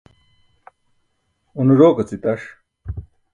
Une rok aci taṣ.